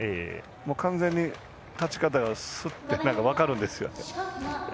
完全に立ち方がスッと、分かるんですよね。